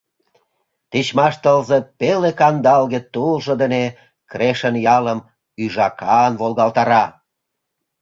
Тичмаш тылзе пеле-кандалге тулжо дене Крешын ялым ӱжакан волгалтара.